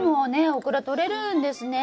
オクラとれるんですね！